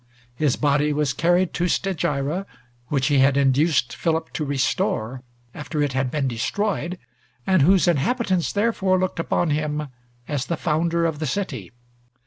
His body was carried to Stagira, which he had induced Philip to restore after it had been destroyed, and whose inhabitants therefore looked upon him as the founder of the city.